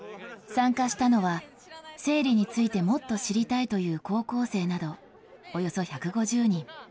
参加したのは、生理についてもっと知りたいという高校生などおよそ１５０人。